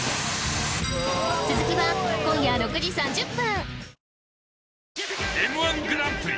続きは今夜６時３０分